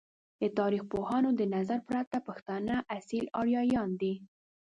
د تاریخ پوهانو د نظر پرته ، پښتانه اصیل آریایان دی!